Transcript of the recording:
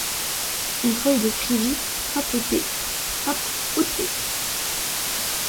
Une fois il écrivit papauté, pape ôté.